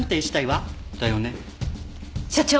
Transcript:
所長